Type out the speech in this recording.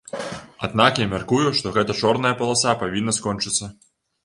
Аднак я мяркую, што гэта чорная паласа павінна скончыцца.